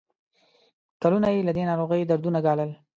کلونه یې له دې ناروغۍ دردونه ګالل.